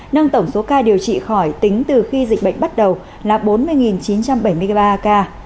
nâng tổng số ca điều trị khỏi tính từ khi dịch bệnh bắt đầu là bốn mươi chín trăm bảy mươi ba ca